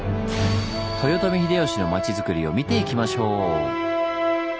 豊臣秀吉の町づくりを見ていきましょう！